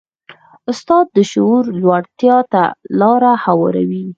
استاد د شعور لوړتیا ته لاره هواروي.